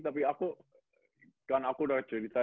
tapi aku kan aku dari cedisar